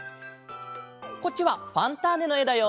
こっちは「ファンターネ！」のえだよ。